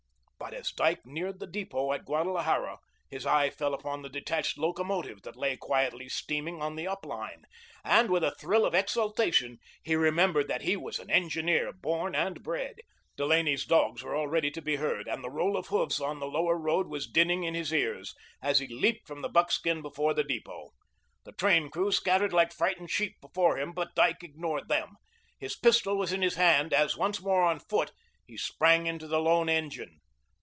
But as Dyke neared the depot at Guadalajara, his eye fell upon the detached locomotive that lay quietly steaming on the up line, and with a thrill of exultation, he remembered that he was an engineer born and bred. Delaney's dogs were already to be heard, and the roll of hoofs on the Lower Road was dinning in his ears, as he leaped from the buckskin before the depot. The train crew scattered like frightened sheep before him, but Dyke ignored them. His pistol was in his hand as, once more on foot, he sprang toward the lone engine.